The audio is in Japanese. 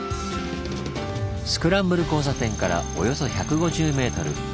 スクランブル交差点からおよそ１５０ｍ。